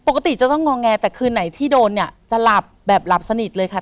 จะต้องงอแงแต่คืนไหนที่โดนเนี่ยจะหลับแบบหลับสนิทเลยค่ะ